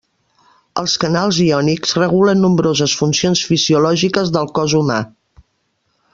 Els canals iònics regulen nombroses funcions fisiològiques del cos humà.